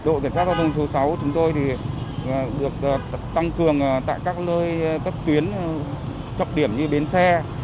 đội cảnh sát giao thông số sáu chúng tôi được tăng cường tại các tuyến trọng điểm như bến xe